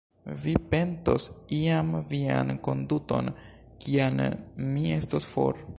Vi pentos iam vian konduton, kiam mi estos for!